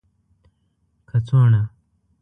کڅوړه